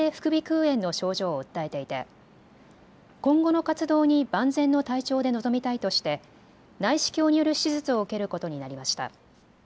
炎の症状を訴えていて今後の活動に万全の体調で臨みたいとして内視鏡による手術を受けることになりました。